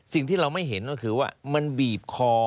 สิ่งที่เราไม่เห็นก็คือว่ามันบีบคอ